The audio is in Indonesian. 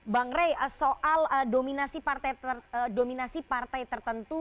bang rey soal dominasi partai tertentu